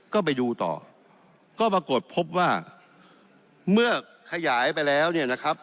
ก็ไปดูต่อก็ปรากฏพบว่าเมื่อขยายไปแล้วเนี่ยนะครับ